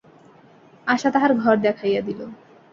আশা তাঁহার ঘর দেখাইয়া দিল।